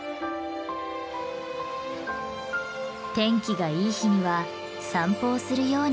天気がいい日には散歩をするように。